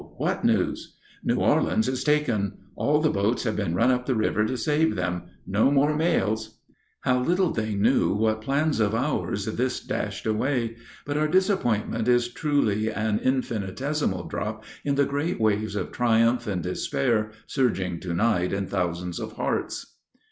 What news?" "New Orleans is taken! All the boats have been run up the river to save them. No more mails." How little they knew what plans of ours this dashed away. But our disappointment is truly an infinitesimal drop in the great waves of triumph and despair surging to night in thousands of hearts.